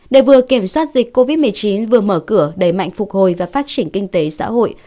để vừa kiểm soát dịch covid một mươi chín vừa mở cửa đẩy mạnh phục hồi và phát triển kinh tế xã hội